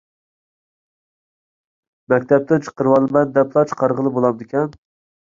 مەكتەپتىن چىقىرىۋالىمەن دەپلا چىقارغىلى بولامدىكەن؟